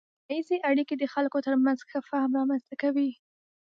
سیمه ایزې اړیکې د خلکو ترمنځ ښه فهم رامنځته کوي.